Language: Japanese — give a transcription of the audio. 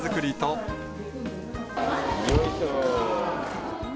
よいしょ。